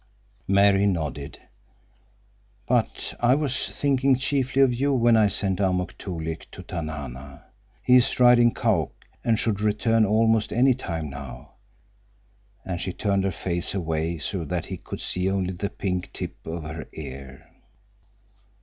Mary nodded. "But I was thinking chiefly of you when I sent Amuk Toolik to Tanana. He is riding Kauk, and should return almost any time now." And she turned her face away so that he could see only the pink tip of her ear.